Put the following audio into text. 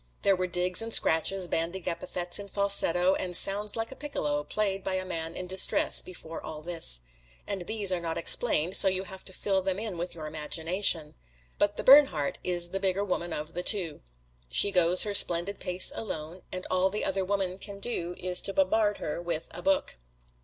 There were digs and scratches, bandied epithets in falsetto, and sounds like a piccolo played by a man in distress, before all this; and these are not explained, so you have to fill them in with your imagination. But the Bernhardt is the bigger woman of the two. She goes her splendid pace alone, and all the other woman can do is to bombard her with a book.